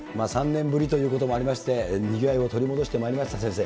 ３年ぶりということもありまして、にぎわいを取り戻してまいりました、先生。